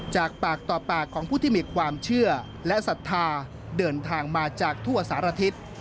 จากปากต่อปากของผู้ที่มีความเชื่อและศรัทธาเดินทางมาจากทั่วสารทิศ